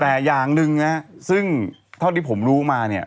แต่อย่างนึงนะซึ่งเธอที่ผมรู้มา